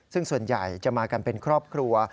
ซึ่งส่วนใหญ่จะมากันเป็นครอบครัว